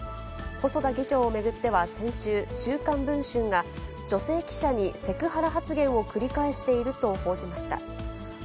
細田議長を巡っては先週、週刊文春が女性記者にセクハラ発言を繰り返していると報じました。